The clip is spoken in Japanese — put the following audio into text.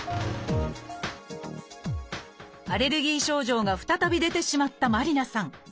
アレルギー症状が再び出てしまった麻里凪さん。